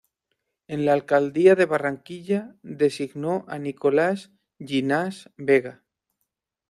En la alcaldía de Barranquilla designó a Nicolás Llinás Vega.